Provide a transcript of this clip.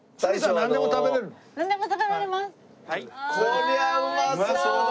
こりゃうまそうだ！